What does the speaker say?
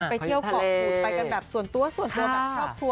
ไปเที่ยวเกาะขูดไปกันแบบส่วนตัวส่วนตัวแบบครอบครัว